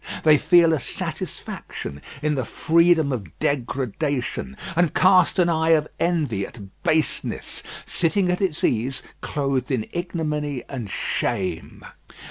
They feel a satisfaction in the freedom of degradation, and cast an eye of envy at baseness, sitting at its ease, clothed in ignominy and shame.